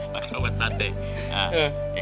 pakai buat nanti